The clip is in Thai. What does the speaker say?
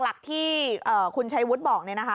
หลักที่คุณชัยวุฒิบอกนะคะ